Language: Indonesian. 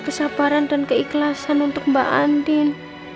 kesabaran dan keikhlasan untuk mbak andin